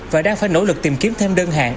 và đang phải nỗ lực tìm kiếm thêm đơn hàng